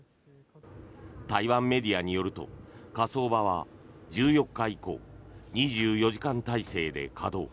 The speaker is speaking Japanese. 台湾メディアによると火葬場は１４日以降２４時間態勢で稼働。